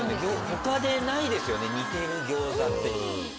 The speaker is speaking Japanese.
他でないですよね似てる餃子っていう。